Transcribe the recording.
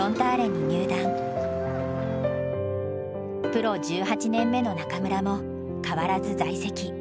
プロ１８年目の中村も変わらず在籍。